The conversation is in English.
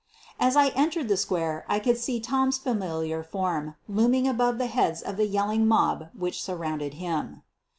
As I entered the square I could see Tom's familiar form looming above the heads of the yelling mob which surrounded him.